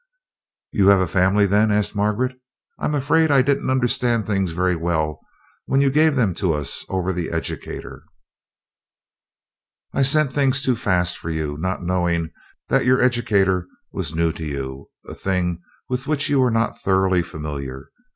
"You have a family, then?" asked Margaret, "I'm afraid I didn't understand things very well when you gave them to us over the educator." "I sent things too fast for you, not knowing that your educator was new to you; a thing with which you were not thoroughly familiar.